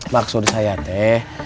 maksud saya teh